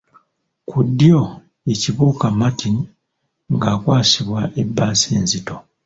Ku ddyo ye Kibuuka Martin nga akwasibwa ebbaasa enzito.